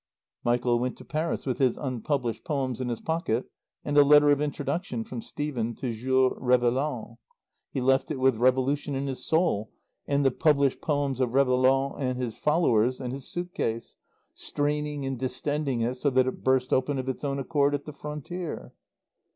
Michael went to Paris with his unpublished poems in his pocket and a letter of introduction from Stephen to Jules Réveillaud. He left it with revolution in his soul and the published poems of Réveillaud and his followers in his suit case, straining and distending it so that it burst open of its own accord at the frontier.